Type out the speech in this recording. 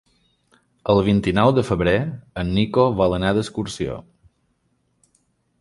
El vint-i-nou de febrer en Nico vol anar d'excursió.